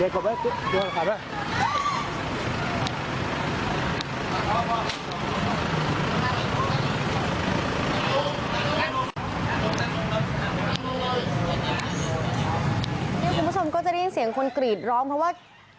คุณผู้ชมก็จะได้ยินเสียงคนกรีดร้องเพราะว่า